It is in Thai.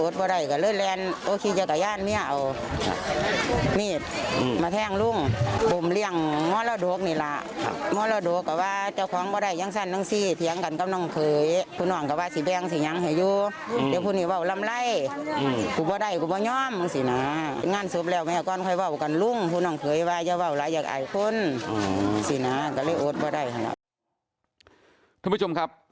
เดี๋ยวฟังหน่อยนะฮะ